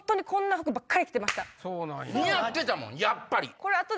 似合ってたもんやっぱり！